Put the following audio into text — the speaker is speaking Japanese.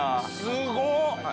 すごっ！